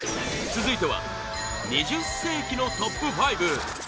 続いては２０世紀のトップ５！